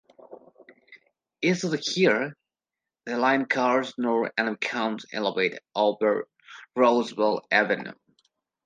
East of here, the line curves north and becomes elevated over Roosevelt Avenue.